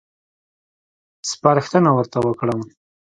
سپارښتنه ورته وکړم.